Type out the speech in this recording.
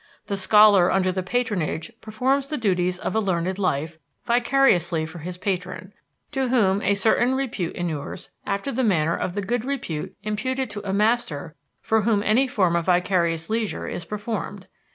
The scholar under the patronage performs the duties of a learned life vicariously for his patron, to whom a certain repute inures after the manner of the good repute imputed to a master for whom any form of vicarious leisure is performed.